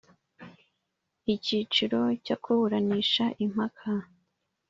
Icyiciro cya kuburanisha impaka